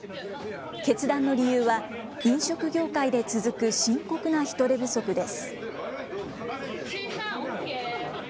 決断の理由は、飲食業界で続く深刻な人手不足です。